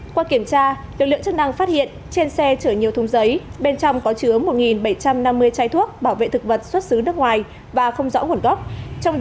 qua kiểm tra lực lượng chức năng phát hiện trên xe chở nhiều thùng giấy bên trong có chứa một bảy trăm năm mươi chai thuốc bảo vệ thực vật xuất xứ nước ngoài và không rõ nguồn gốc